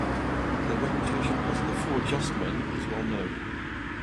Their reputation as the "Four Just Men" is well known.